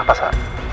buat apa saja